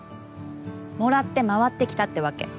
もらって回ってきたってわけ。